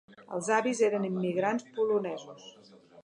Els avis eren immigrants polonesos.